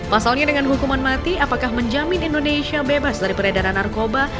pasalnya dengan hukuman mati apakah menjamin indonesia bebas dari peredaran narkoba